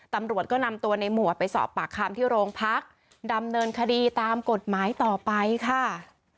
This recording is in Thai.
ตำรวจก็นำตัวในหมวดไปสอบปากคำที่โรงพักดำเนินคดีตามกฎหมายต่อไปค่ะ